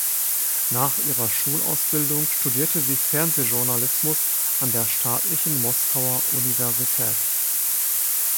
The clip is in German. Nach ihrer Schulausbildung studierte sie Fernsehjournalismus an der Staatlichen Moskauer Universität.